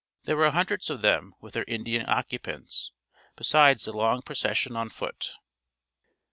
There were hundreds of them with their Indian occupants, besides the long procession on foot.